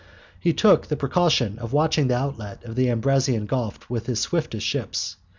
He took the precaution of watching the outlet of the Ambracian Gulf with his swiftest ships.